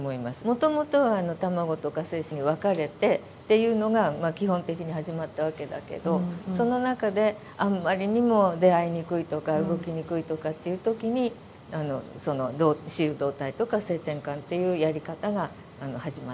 もともとは卵とか精子に分かれてっていうのが基本的に始まったわけだけどその中であんまりにも出会いにくいとか動きにくいとかっていう時にその雌雄同体とか性転換っていうやり方が始まった。